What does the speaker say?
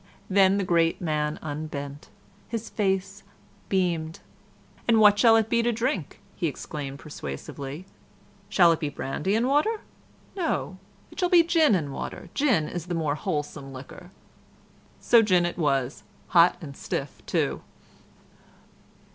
Then the great man unbent. His face beamed. "And what shall it be to drink?" he exclaimed persuasively. "Shall it be brandy and water? No. It shall be gin and water. Gin is the more wholesome liquor." So gin it was, hot and stiff too.